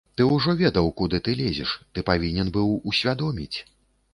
Ты ўжо ведаў, куды ты лезеш, ты павінен быў усвядоміць.